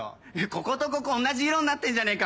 こことここ同じ色になってんじゃねえかお前よ！